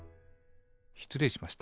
しつれいしました。